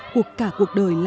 của cả cuộc đời